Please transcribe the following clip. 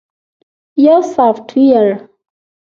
- یو سافټویر 📦